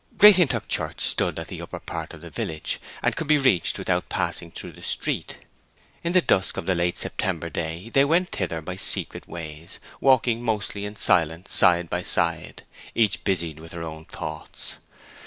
Great Hintock church stood at the upper part of the village, and could be reached without passing through the street. In the dusk of the late September day they went thither by secret ways, walking mostly in silence side by side, each busied with her own thoughts.